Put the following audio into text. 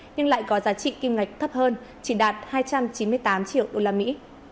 nhưng lại có giá trị kim ngạch thấp hơn chỉ đạt hai trăm chín mươi tám triệu đô la mỹ